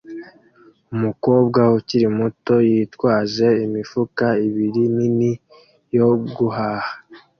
Umukobwa ukiri muto yitwaje imifuka ibiri nini yo guhaha